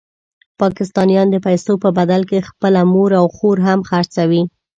پاکستانیان د پیسو په بدل کې خپله مور او خور هم خرڅوي.